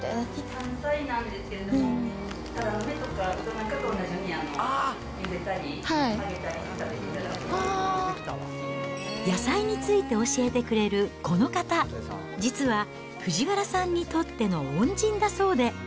山菜なんですけれども、たらの芽とかうどと同じようにゆでたり揚げたりして食べていただ野菜について教えてくれるこの方、実は藤原さんにとっての恩人だそうで。